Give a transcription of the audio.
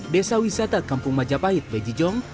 desa wisata kampung majapahit bejijong